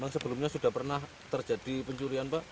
sebelumnya sudah pernah terjadi pencurian pak